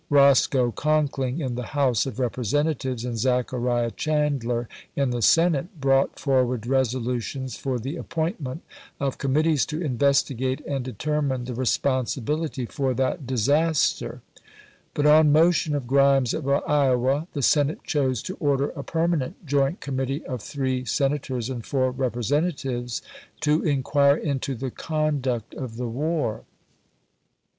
Roscoe Conkling in the House of Representatives, and Zachariah Chandler in the Senate, brought forward resolutions for the ap pointment of committees to investigate and de termine the responsibility for that disaster ; but, on motion of Grimes of Iowa, the Senate chose to order a permanent joint committee of three Sen ators and four Representatives to inquire into the conduct of the war.